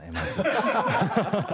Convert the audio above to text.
アハハハ。